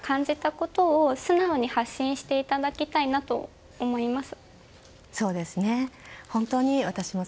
ことを素直に発信していただきたいなと思います。